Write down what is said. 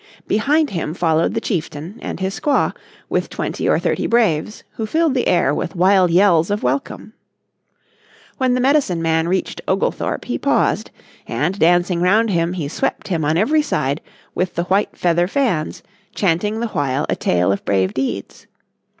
Behind him followed the chieftain and his squaw, with twenty or thirty braves, who filled the air with wild yells of welcome. When the Medicine Man reached Oglethorpe he paused, and dancing round him he swept him on every side with the white feather fans, chanting the while a tale of brave deeds.